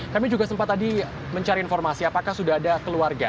kami juga sempat tadi mencari informasi apakah sudah ada keluarga